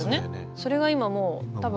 それが今もう多分。